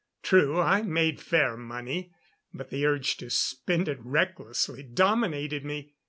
True, I made fair money but the urge to spend it recklessly dominated me.